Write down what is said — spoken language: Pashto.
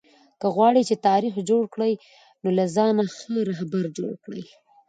که غواړى، چي تاریخ جوړ کئ؛ نو له ځانه ښه راهبر جوړ کئ!